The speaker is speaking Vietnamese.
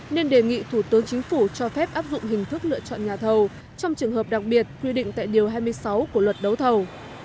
nên đề nghị thủ tướng chính phủ cho phép áp dụng hình thức lựa chọn nhà thầu trong trường hợp đặc biệt quy định tại điều hai mươi sáu của luật đấu thầu